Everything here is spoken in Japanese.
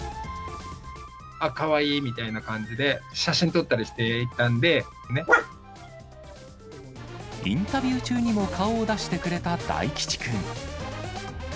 あ、かわいいみたいな感じで、インタビュー中にも顔を出してくれた大吉くん。